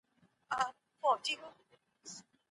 ثمرګل وویل چې د پټي پوله باید پاکه و ساتل شي.